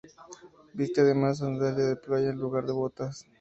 Viste además sandalias de playa en lugar de botas.